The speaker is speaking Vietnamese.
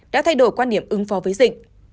đã thay đổi quan niệm ứng phó với dịch